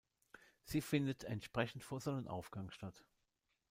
Sie findet entsprechend vor Sonnenaufgang statt.